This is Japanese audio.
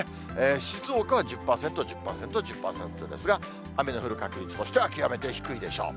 静岡は１０％、１０％、１０％ですが、雨の降る確率としては極めて低いでしょう。